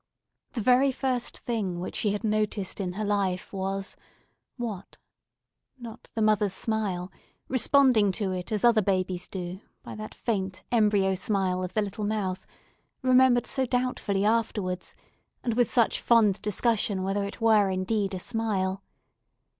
The very first thing which she had noticed in her life, was—what?—not the mother's smile, responding to it, as other babies do, by that faint, embryo smile of the little mouth, remembered so doubtfully afterwards, and with such fond discussion whether it were indeed a smile.